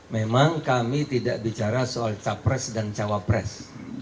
memang kami tidak bicara soal capres dan cawapres